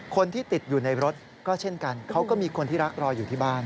คนที่ติดอยู่ในรถก็เช่นกันเขาก็มีคนที่รักรออยู่ที่บ้าน